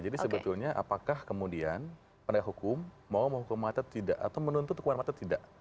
sebetulnya apakah kemudian penegak hukum mau menghukum mati atau tidak atau menuntut hukuman mata tidak